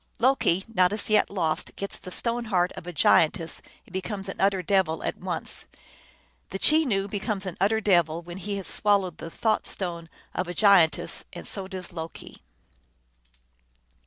Loki, not as yet lost, gets the stone heart of a giantess, and becomes an utter devil at once. The Chenoo becomes an utter devil when he has swallowed the thought stone of a giantess, and so does Loki.